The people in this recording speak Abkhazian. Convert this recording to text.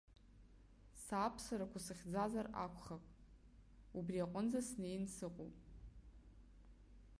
Сааԥсарақәа сыхьӡазар акәхап, убриаҟынӡа снеин сыҟоуп.